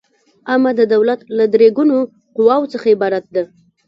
عامه د دولت له درې ګونو قواوو څخه عبارت ده.